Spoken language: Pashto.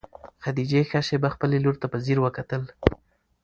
خدیجې ښه شېبه خپلې لور ته په ځیر وکتل.